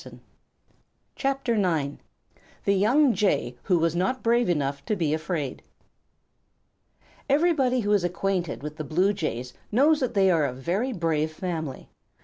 THE YOUNG BLUE JAY WHO WAS NOT BRAVE ENOUGH TO BE AFRAID Everybody who is acquainted with the Blue Jays knows that they are a very brave family.